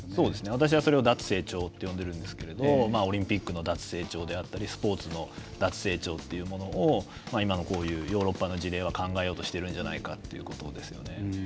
私は、それを脱成長と呼んでるんですけれどオリンピックの脱成長であったりスポーツの脱成長っていうものを今のこういうヨーロッパの事例は考えようとしてるんじゃないかっていうことですよね。